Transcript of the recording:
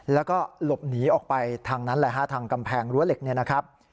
แล้วก็หลบหนีออกไปทางนั้นแหละฮะทางกำแพงรั้วเหล็กเนี่ยนะครับ